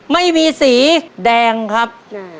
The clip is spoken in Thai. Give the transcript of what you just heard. ไม่มีสีแดงครับ